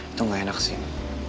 itu gak enak sih